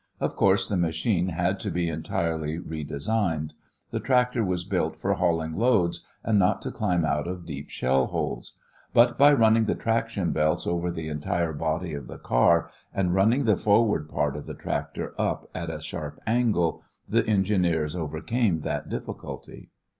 Of course the machine had to be entirely re designed. The tractor was built for hauling loads, and not to climb out of deep shell holes; but by running the traction belts over the entire body of the car, and running the forward part of the tractor up at a sharp angle the engineers overcame that difficulty.